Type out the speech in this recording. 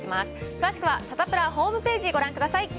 詳しくはサタプラホームページご覧ください。